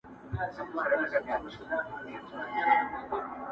هغه لمرونو هغه واورو آزمېیلی چنار!